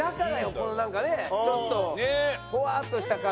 このなんかねちょっとぽわっとした感じ。